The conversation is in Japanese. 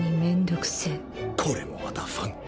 これもまたファン。